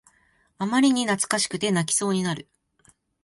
あまりに懐かしくて泣きそうになる